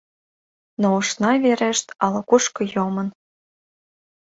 Но ышна верешт, ала-кушко йомын.